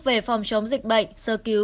về phòng chống dịch bệnh sơ cứu